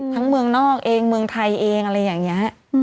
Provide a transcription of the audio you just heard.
เมืองนอกเองเมืองไทยเองอะไรอย่างนี้